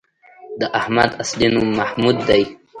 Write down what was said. د احمد اصلی نوم محمود دی